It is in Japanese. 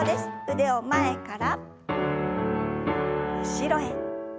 腕を前から後ろへ。